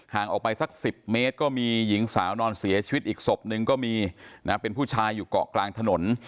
ออกไปสัก๑๐เมตรก็มีหญิงสาวนอนเสียชีวิตอีกศพนึงก็มีนะเป็นผู้ชายอยู่เกาะกลางถนน